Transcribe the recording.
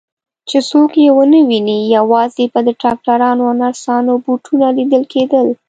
چې څوک یې ونه ویني، یوازې به د ډاکټرانو او نرسانو بوټونه لیدل کېدل.